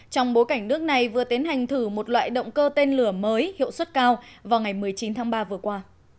trong bối cảnh nước này vừa tiến hành thử một loại động cơ tên lửa mới hiệu suất cao vào ngày một mươi chín tháng ba vừa qua